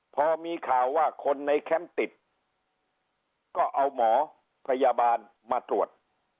พอมีข่าวว่าคนในแคมป์ติดก็เอาหมอพยาบาลมาตรวจ